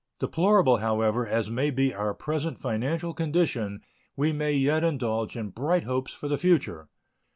Deplorable, however, as may be our present financial condition, we may yet indulge in bright hopes for the future.